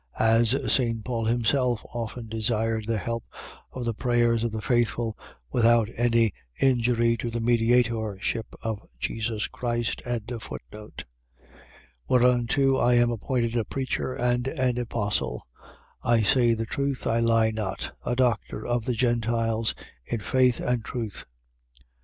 As St. Paul himself often desired the help of the prayers of the faithful, without any injury to the mediatorship of Jesus Christ. 2:7. Whereunto I am appointed a preacher and an apostle (I say the truth, I lie not), a doctor of the Gentiles in faith and truth.